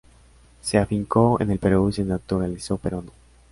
Se afincó en el Perú y se naturalizó peruano.